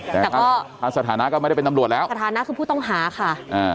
แต่ก็สถานะก็ไม่ได้เป็นตำรวจแล้วสถานะคือผู้ต้องหาค่ะ